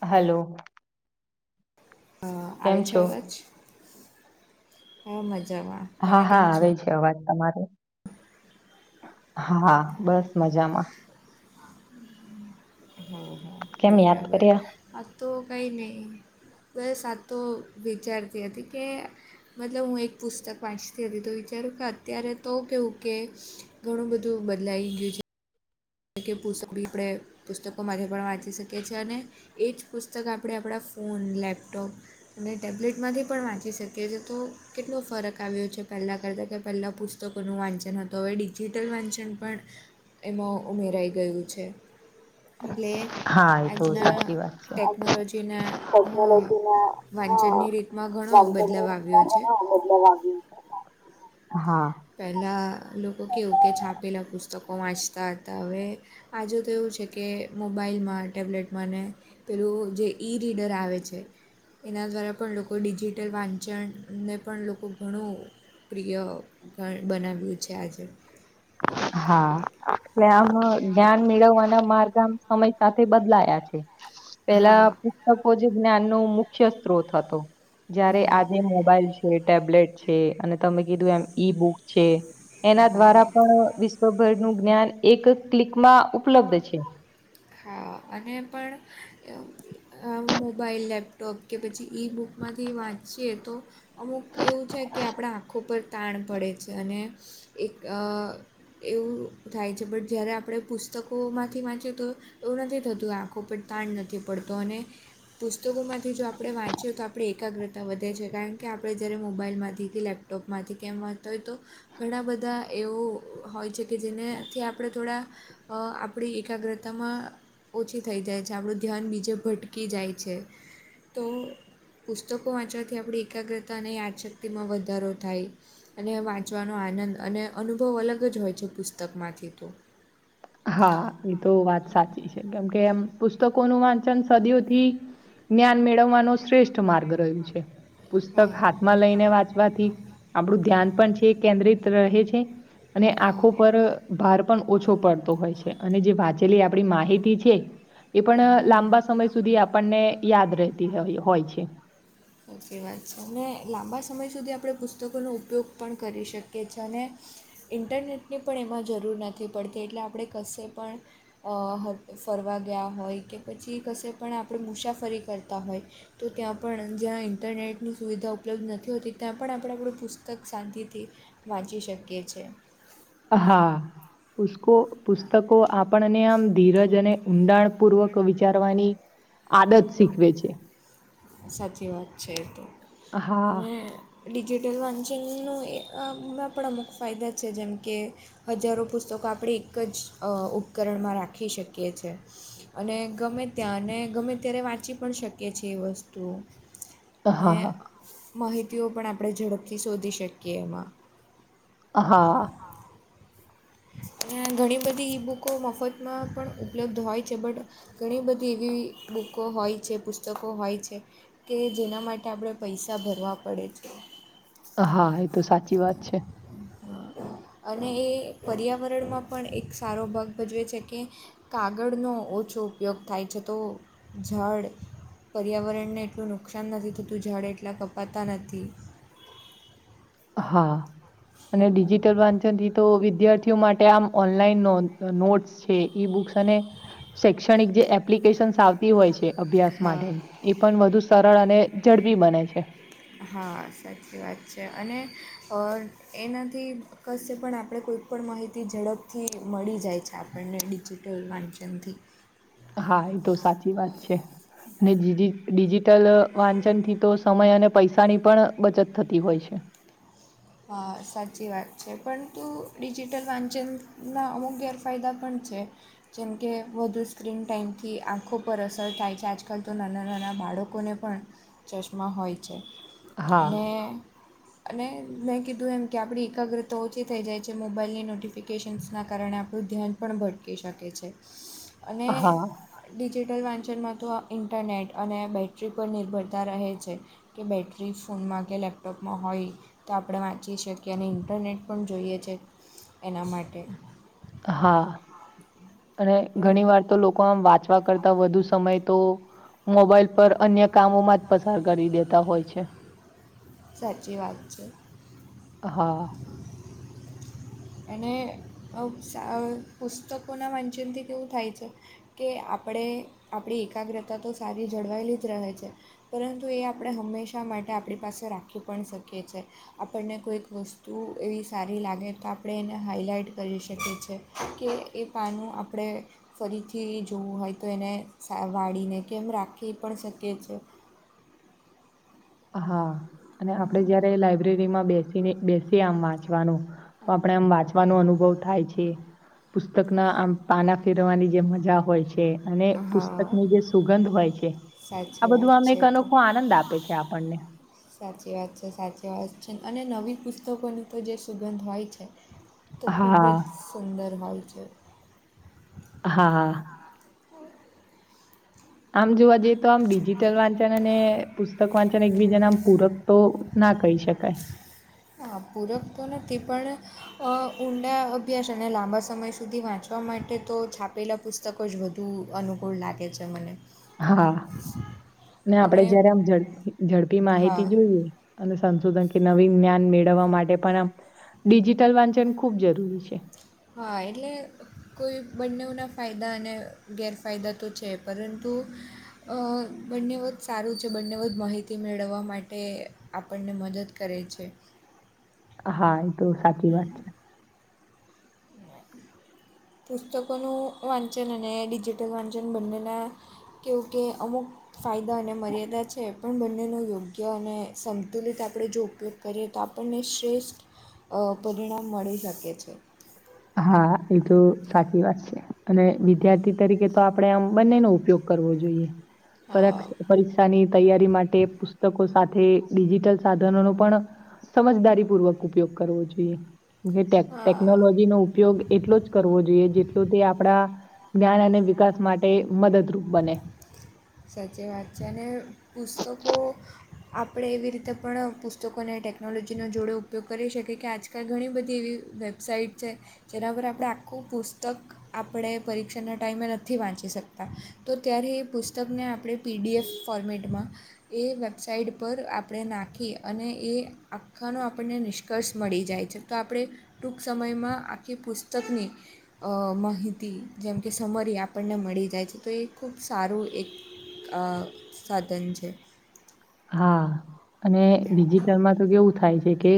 Hello. અ આવે કેમ છે, છો અવાજ. હ મજામાં તમે કેમ હા-હા છો આવે જ કવાત તમારે હા, બસ મજામાં. હ, હા કેમ યાદ બરાબર કર્યા આ તો કઈ નહી. તો એ સાચ તો વિચારતી હતી, કે મતલબ હું એક પુસ્તક વાંચતી હતી, તો વિચારું કે અત્યારે તો કવું કે ઘણું બધું બદલાઈ ગયું છે. પુસ્ત બી આપણે પુસ્તકો પણ વાંચી શકીએ છીએ. અને એ જ પુસ્તક આપણે આપણા ફોન, લેપટોપ અને ટેબ્લેટમાંથી પણ વાંચી શકીએ છીએ તો કેટલો ફરક આવ્યો છે. પહેલાં કરતાં કે પહેલાં પુ તો કોઈનું વાંચન હતુ, હવે ડિજિટલ વાંચન પણ એમાં ઉમેરાઈ ગયું છે. એટલે હા એ તો આજના સાચી વાત છે ટેકનોલોજીના હ વાંચનની રીતે માં ઘણો બદલાવ આવ્યો છે. હા. પહેલાં લોકો કેવું કે છાપેલા, પુસ્તકો વાંચતા હતા. હવે આજુ તો એવું છે. કે મોબાઈલમાં ટેબ્લેટમાં ને પેલું જે ઈ રીડર આવે છે. એના દ્વારા પણ લોકો ડિજિટલ વાંચનને પણ લોકો ઘણું પ્રિય બનાવ્યું છે. આજે હા, આપલે આમ જ્ઞાન મેળવવાના માર્ગ આ સમય સાથે બદલાયા છે. પેલા હા કો જ્ઞાન નો મુખ્ય સ્ત્રોત હતો. જયારે હા આજે મોબાઈલ છે, ટેબલેટ છે અને તમે કીધું એમ ઈ બુક છે. એના દ્વારા હા વિશ્વભર નું જ્ઞાન એક ક્લિકમાં ઉપલબ્ધ છે. હા અને પણ મોબાઈલ, લેપટોપ કે પછી ઈ બુકમાંથી વાંચીએ તો અમુક એવું છે. કે આપણા આંખો પર તાણ પડે છે. અને એક એવું થાય છે. બટ જ્યારે આપણે પુસ્ત પુસ્તકોમાંથી વાંચ્યું તો એવું નથી થતું આંખો પર તાણ નથી પડતો અને પુસ્તકોમાંથી જો આપણે વાંચીએ તો આપણી એકાગ્રતા વધે છે કારણ કે આપણે જ્યારે મોબાઈલમાંથી લેપટોપ લપટોપમાંથી કેમ વાતા હોય તો ઘણા બધા એવું હોય છે. કે જેનેથી આપણે થોડા આપણી એકાગ્રતામાં ઓછી થઈ જાય છે, આપણું ધ્યાન બીજે ભટકી જાય છે, તો પુસ્તકો વાંચવાથી આપણી એકાગ્રતા અને યાદશક્તિમાં વધારો થાય અને વાંચવાનો આનંદ અને અનુભવ અલગ જ હોય છે પુસ્તકમાંથી તો હા એ તો વાત સાચી છે કેમ કે એમ પુસ્તકોનું વાંચન સદીઓથી જ્ઞાન મેળવવાનો શ્રેષ્ઠ માર્ગ રહ્યું છે. હા પુસ્તક હાથમાં લઈને વાંચવાથી આપડું ધ્યાન પણ છે કેન્દ્રિત રહે છે. અને હા આંખો પર ભાર પણ ઓછો પડતો જે વાંચેલી આપ માહિતી છે એ પણ હા લાંબા સમય સુધી આપણને યાદ રહેતી હોય છે. સાચી વાત છે અને લાંબા સમય સુધી આપણે પુસ્તકોનો ઉપયોગ પણ કરી શકીએ છે અને ઇન્ટરનેટની પણ એમાં જરૂર નથી પડતી એટલે આપણે કશે પણ ફરવા ગયા હોય કે પછી કશે પણ આપણે મુસાફરી કરતા હોય તો ત્યાં પણ જ્યાં ઇન્ટરનેટની સુવિધા ઉપલબ્ધ નથી હોતી ત્યાં પણ આપણે આપણું પુસ્તક શાંતિથી વાંચી શકીએ છી હા પકો પુસ્તકો આપ આપણને આમ ધીરજ અને ઊંડાણ પૂર્વક વિચારવાની આદત શીખવે છે. સાચી વાત છે તો હા મેં ડિજિટલ વાંચનનું એમાં પણ અમુક ફાયદા છે જેમ કે હજારો પુસ્તકો આપણે એક જ ઉપકરણમાં રાખી શકીએ છ છે. અને ગમે ત્યાંને ગમે ત્યારે વાંચી પણ શકીએ છીએ એ વસ્તુ તો અને હા, માહિતીઓ પણ આપણે ઝડપથી શોધી શકીએ એમાં હા. ઘણી બધી ઈ બુકો મફતમાં પણ ઉપલબ્ધ હોય છે બટ ઘણી બધી એવી બુકો હોય છે પુસ્તકો હોય છે. કે જેના માટે આપણે પૈસા ભરવા પડે છે. હા એ તો સાચી વાત છે. અને એ પર્યાવરણમાં પણ એક સારો ભાગ ભજવે છે કે. કાગળનો ઓછો ઉપયોગ થાય છે તો ઝાળ પર્યાવરણને એટલું નુકસાન નથી થતું ઝાળ એટલા કપાતા નથી હા અને ડિજિટલ વાચન તો વિદ્યાર્થીઓ માટે આમ ઓનલાઈન નોટ્સ છે ઈ બુક્સ અને શૈક્ષણિક જે એપ્લિકેશન્સ આવતી હોય છે. અભ્યાસ હા માટે એ પણ વધુ સરળ અને ઝડપી બને છે. હા સાચી વાત છે અને એનાથી કશે પણ આપણે કોઈ પણ માહિતી ઝડપથી મળી જાય છે આપણને ડિજિટલ વાંચનથી હા એ તો સાચી વાત છે. અને ડિજિટલ વાંચન થી તો સમય અને પૈસાની પણ બચત થતી હોય છે. હા સાચી વાત છે પરંતુ ડિજિટલ વાંચનના અમુક ગેરફાયદા પણ છે. જેમકે વધુ સ્ક્રીન ટાઈમથી આંખો પર અસર થાય છે. આજકાલ તો નાના-નાના બાળકો લોકોને પણ ચશ્મા હોય છે હા, અને અને મેં કીધું એમ કે આપણી એકાગ્રતા ઓછી થઈ જાય છે. મોબાઈલની નોટિફિકેશન્સના કારણે આપણું ધ્યાન પણ ભટકી શકે છે અને હા, ડિજિટલ વાંચનમાં તો ઇન્ટરનેટ અને બેટરી પર નિર્ભરતા રહે છે. કે બેટરી ફોનમાં કે લૅપટોપમાં હોય તો આપણે વાંચી શકીએ અને ઇન્ટરનેટ પણ જોઈએ છે એના માટે. હા અને પણ ઘણી વાર તો લોકો આમ વાત કરતા વધુ સમય તો મોબાઈલ પર અન્ય કામોમાં જ પસાર કરી દેતા હોય છે. સાચી વાત છે હા. અને સા પુસ્તકોના માચનેથી કેવું થાય છે કે આપણે આપણી એકાગ્રતા તો સારી જળવાયેલી જ રહે છે પરંતુ એ આપણે હંમેશા માટે આપણી પાસે રાખી પણ શકીએ છીએ. આપણને કોઈક વસ્તુ એવી સારી લાગે તો આપણે એને હાઈલાઇટ કરી શકીએ છી કે એ પાનું આપણે ફરીથી જોવું હોય તો એને વાળીને કેમ રાખી પણ શકે છે. હા અને આપડે જયારે લાઈબ્રેરીમાં બેસીને બેસી આમ વાત તો આપડે આમ વાંચ નું અનુભવ થાય છે. પુસ્તકના આમ પાના ફેરવાની જે મજા હોય છે અને હા પુસ્તકની જે સુગંધ હોય છે સાચી આ વાત બધું અમે છે એક એ તો અનોખો આનંદ આપે છે આપણને. સાચી વાત છે સાચી વાત છે અને નવી પુસ્તકોની તો જે સુગંધ હોય છે તો ખૂબ હા જ સુંદર હોય છે. હા હા. આમ જોવા જઈએ તો આમ ડિજિટલ વાંચન અને પુ પુસ્તક વાંચન એકબીજા નામ પૂરક તો ના કહી શકાય. હા પૂરક તો નથી પણ હ ઊંડા અભ્યાસ અને લાંબા સમય સુધી વાંચવા માટે તો છાપેલા પુસ્તક તકો જ વધુ અનુકૂળ લાગે છે મને. હા અને આપડે જયારે આમડ ઝડપી હા માહિતી જોઈએ અને સંશોધન કે નવીન જ્ઞાન મેળવવા માટે પણ આમ ડિજિટલ વાંચન ખૂબ જરૂરી છે. હા એટલે કોઈ બંનેના ફાયદા અને ગેરફાયદા તો છે પરંતુ અ બંને વધ સારું છે બંને વધ માહિતી મેળવવા માટે આપણને મદદ કરે છે. હા એ તો સાચી વાત છે. પુસ્તકોનું વાંચન અને ડિજિટલ વાંચન બંનેના કેવું કે અમુક ફાયદા અને મર્યાદા છે. પણ બંનેનો યોગ્ય અને સમંતુલિત આપણે જો ઉપયોગ કરીએ તો આપણને શ્રેષ્ઠ પરિણામ મળી શકે છે. હા એ તો સાચી વાત છે અને વિદ્યાર્થી તરીકે તો આપણેે આમ બંને નો ઉપયોગ કરવો જોઈએ. હા પરીક્ષાની તૈયારી માટે પુસ્તકો સાથે ડિજિટલ સાધનો ન પણ સમજદારી પૂર્વક ઉપયોગ કરવો જોઈએ. હા ટેકનોલોજી નો ઉપયોગ એટલો જ કરવો જોઈએ જેટલું તે આપડા જ્ઞાન અને વિકાસ માટે મદદરૂપ બને. સાચી વાત છે અને પુસ્તકો આપણે એવી રીતે પણ પુસ્તકોને ટેકનોલોજીનો જોડે ઉપયોગ કરી શકીએ કે આજ કે ઘણી બધી વેબસાઇટ છે. જેના પર આપણે આખું પુસ્તક આપણે પરીક્ષાના ટાઈમે નથી વાંચી શકતા. તો ત્યારે એ પુસ્તકને આપણે પીડીએફ ફોર્મેટમાં એ વેબસાઇટ પર આપણે નાખી અને એ આખાનો આપણને નિષ્કર્ષ મળી જાય છે. તો આપણે ટૂંક સમયમાં આખી પુસ્તકની અ માહિતી જેમ કે સમરી આપણને મળી જાય છે તો એ ખૂબ સારું એક અ સાધન છે. હા અને ડિજિટલમાં તો કેવું થાય છે કે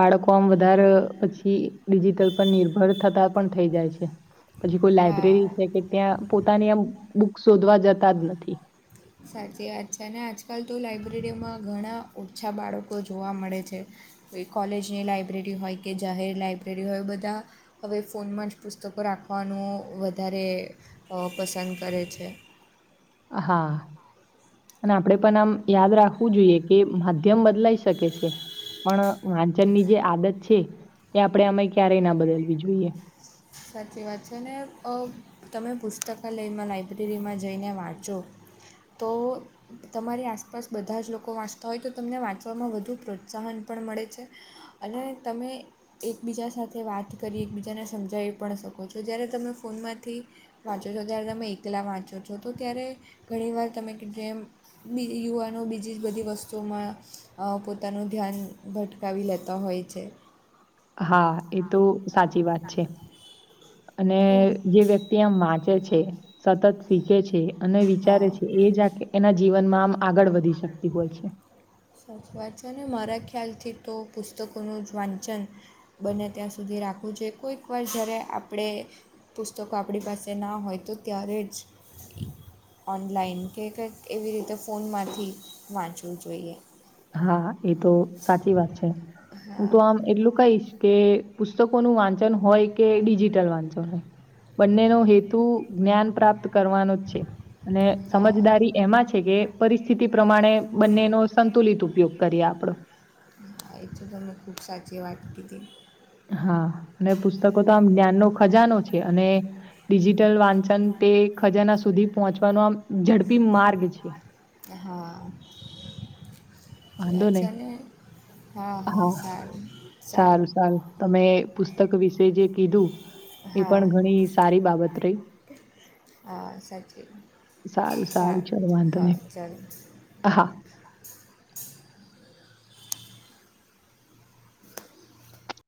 બાળકો આમ વધારે પછી ડિજિટલ પર નિર્ભર થતા પણ થઈ જાય છે. પછી કોઈ લાઈબ્રેરી હા છે કે ત્યાં પોતાની આમ બુક શોધવા જતા જ નથી. સાચી વાત છે અને આજકાલ તો લાઈબ્રેરીમાં ઘણા ઓછા બાળકો જોવા મળે છે. કોઈ કોલેજની લાઇબ્રેરી હોય કે જાહેર લાઇબ્રેરી હોય બધા અવે ફોનમાં જ પુસ્તકો રાખવાનું વધારે અ પસંદ કરે છે. અ હા અને આપડે પણ આમ યાદ રાખવું જોઈએ કે માધ્યમ બદલાઈ શકે છે. પણ વાંચન ની જે આદત છે એ આપડે આમે ક્યારેય ના બદલવી જોઈએ. સાચી વાત છે ને અ વ તમે પુસ્તકાલયમાં લાઇબ્રેરીમાં જઈને વાંચો તો તમારી આસપાસ બધા જ લોકો વાંચતા હોય તો તમને વાંચવામાં વધુ પ્રોત્સાહન પણ મળે છે. અને તમે એકબીજા સાથે વાત કરી એકબીજાને સમજાયવુ પણ શકો છો જ્યારે તમને ફોનમાંથી વાંચો છો ત્યારે તમે એકલા વાંચો છો તો ત્યારે ઘણી વાર તમે કીધું એમ બી યુવાનો બીજી બધી વસ્તુઓમાં અ પોતાનું ધ્યાન ભટ ભટકાવી લેતા હોય છે. હા એ તો સાચી વાત છે. અને તો જે વ્યક્તિ આમ વાંચે છે, સતત શીખે છે અને વિચારે હા છે એ જ એના જીવનમાં આમ આગળ વધી શકતી હોય છે. સાચી વાત છે ને મારા ખ્યાલથી તો પુસ્તકોનું જ વાંચન બને ત્યાં સુધી રાખવું જોઈએ કોઈક વાર જ્યારે આપડે પુસ્તકો આપણી પાસે ના હોય તો ત્યારે જ ઓનલાઈન કે કંઈક એવી રીતે ફોનમાંથી વાંચવું જોઈએ. હા એ તો સાચી વાત છે. હું તો હા આમ એટલું કહીશ કે પુસ્તકો નું વાંચન હોય કે ડિજિટલ વાંચન હોય. બંનેનો હેતુ જ્ઞાન પ્રાપ્ત કરવાનો જ છે. અને હા સમજદારી એમાં છે કે પરિસ્થિતિ પ્રમાણે બંને નો સંતુલિત ઉપયોગ કરીએ આપડો હા એ જ તો તમે ખૂબ સાચી વાત કીધી. હા અને પુસ્તકો તો આમ જ્ઞાનનો ખજાનો છે અને ડિજિટલ વાંચન તે ખજાના સુધી પહોંચવાનો આમ ઝડપી માર્ગ છે. એ હા. વાંધો નહી [unintelligible] ને હા હા સારું સારું સારુ. સારું તમે પુસ્તક વિશે જે કીધું એ હા પણ ઘણી સારી બાબત રેય. હા સાચી સારું સારું વાત ચલો સારુ વાંધો હા નઈ ચલો. હા.